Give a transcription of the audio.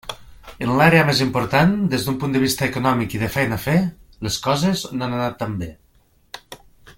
En l'àrea més important, des d'un punt de vista econòmic i de feina a fer, les coses no han anat tan bé.